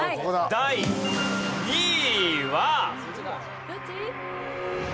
第２位は。